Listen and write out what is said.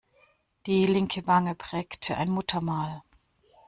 Die linke Wange prägte ein Muttermal.